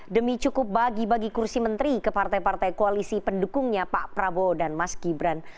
demi cukup bagi bagi kursi menteri ke partai partai koalisi pendukungnya pak prabowo dan mas gibran